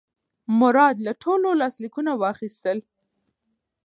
مراد له ټولو لاسلیکونه واخیستل.